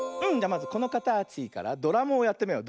まずこのかたちからドラムをやってみよう。